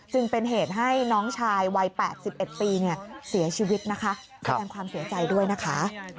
จึงเป็นเหตุให้น้องชายวัย๘๑ปีเสียชีวิตนะคะแสดงความเสียใจด้วยนะคะ